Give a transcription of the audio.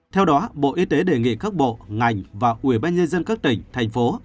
theo đó bộ y tế đề nghị các bộ ngành và ủy ban nhân dân các tỉnh thành phố